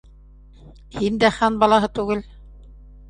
Һин дә хан балаһы түгел.